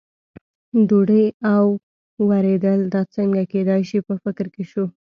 ډوډۍ او ورېدل، دا څنګه کېدای شي، په فکر کې شو.